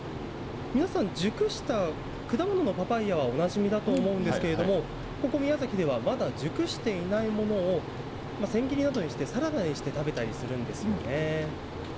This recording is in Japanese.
皆さん、熟した果物のパパイアはおなじみだと思うんですけれども、ここ、宮崎ではまだ熟していないものを千切りなどにして、サラダにして食べたりするんですよね。